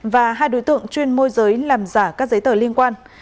và hai đối tượng chuyên môi giới làm giả các giấy tờ liên quan